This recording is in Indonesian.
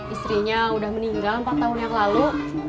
istrinya sudah meninggal empat tahun yang lalu